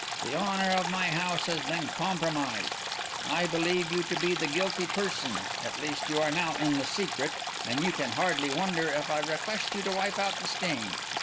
The honour of my house has been compromised; I believe you to be the guilty person; at least you are now in the secret; and you can hardly wonder if I request you to wipe out the stain.